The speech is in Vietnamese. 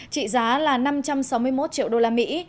trị giá là năm trăm sáu mươi một triệu đô la mỹ